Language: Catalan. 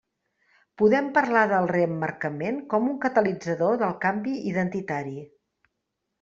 Podem parlar del reemmarcament com un catalitzador del canvi identitari.